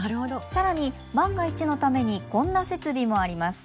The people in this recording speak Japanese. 更に万が一のためにこんな設備もあります。